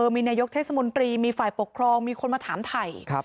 มีนายกเทศมนตรีมีฝ่ายปกครองมีคนมาถามไทย